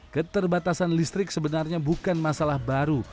keterbatasan listrik sebenarnya bukan masalah baru